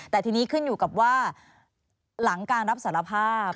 แต่ทีนี้ขึ้นอยู่กับว่าหลังการรับสารภาพ